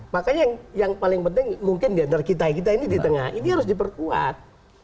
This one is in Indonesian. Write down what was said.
makanya yang paling penting mungkin diantara kita kita ini di tengah ini harus diperkuat